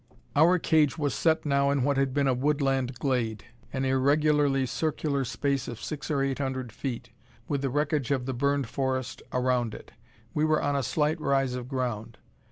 Our cage was set now in what had been a woodland glade, an irregularly circular space of six or eight hundred feet, with the wreckage of the burned forest around it. We were on a slight rise of ground.